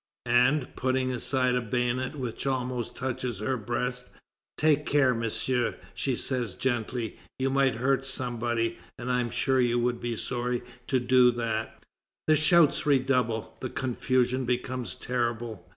And, putting aside a bayonet which almost touches her breast, "Take care, Monsieur," she says gently, "you might hurt somebody, and I am sure you would be sorry to do that." The shouts redouble. The confusion becomes terrible.